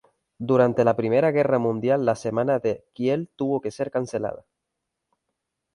Durante la I Guerra Mundial la Semana de Kiel tuvo que ser cancelada.